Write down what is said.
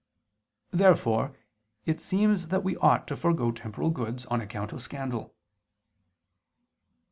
Therefore it seems that we ought to forego temporal goods on account of scandal.